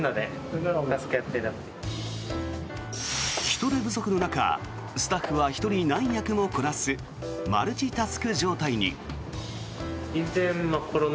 人手不足の中スタッフは１人何役もこなすマルチタスク状態に。